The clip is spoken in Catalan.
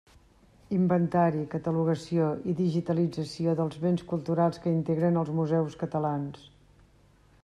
Inventari, catalogació i digitalització dels béns culturals que integren els museus catalans.